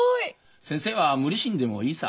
先生は無理しんでもいいさ。